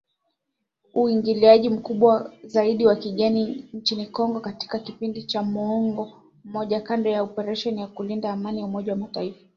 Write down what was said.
Uingiliaji mkubwa zaidi wa kigeni nchini Congo katika kipindi cha muongo mmoja kando na operesheni ya kulinda amani ya Umoja wa mataifa.